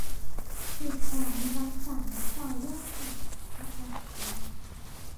สืบสานรักษาต่อยอดศาสตร์พระราชา